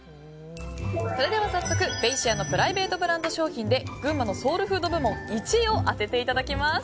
それでは早速ベイシアのプライベートブランド商品で群馬のソウルフード部門１位を当てていただきます。